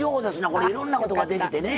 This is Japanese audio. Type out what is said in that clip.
これいろんなことができてね。